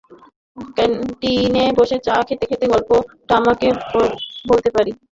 ক্যান্টিনে বসে চা খেতেখেতে গল্পটা আপনাকে বলতে পারি।